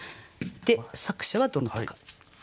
で作者はどなたか。